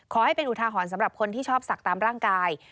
ขอให้เป็นอุทาหรณ์สำหรับคนที่ชอบศักดิ์ตามร่างกาย